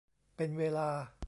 เป็นเวลา